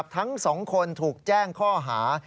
ทั้ง๒คนถูกแจ้งข้อหา